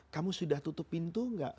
kamu sudah tutup pintu gak